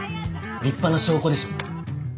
立派な証拠でしょ？